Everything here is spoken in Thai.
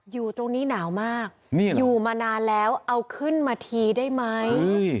อยู่ตรงนี้หนาวมากอยู่มานานแล้วเอาขึ้นมาทีได้ไหม